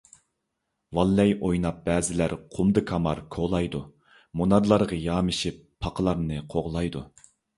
«ۋاللەي» ئويناپ بەزىلەر قۇمدا كامار كولايدۇ، مۇنارلارغا يامىشىپ، پاقىلارنى قوغلايدۇ.